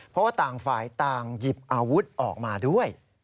เพราะว่าต่างฝ่ายต่างหยิบอาวุธออกมาด้วย